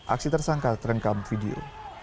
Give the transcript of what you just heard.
aksi tersangka terengkam video